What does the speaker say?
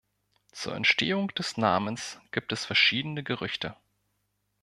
Zur Entstehung des Namens gibt es verschiedene Gerüchte.